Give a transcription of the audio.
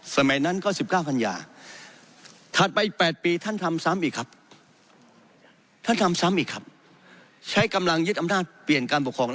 สมัยนั้นก็๑๙ฮัญญาถัดไป๘ปีท่านทำซ้ำอีกครับใช้กำลังยึดอำนาจเปลี่ยนการปกครอง